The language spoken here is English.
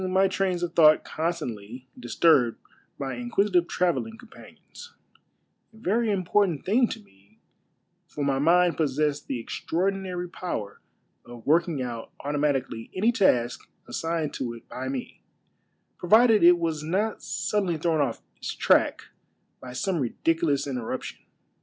my trains of tliouglit constantly disturbed by inquisitive travel ling companions — a very important thing to me, for my mind possessed the extraordinary power of working out automatieally any task assigned to it by me, provided it was not suddenly thrown off its track by some ridiculous interruption.